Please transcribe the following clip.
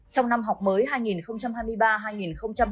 trong năm học mới hai nghìn hai mươi ba hai nghìn hai mươi bốn